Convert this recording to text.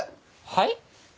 はい？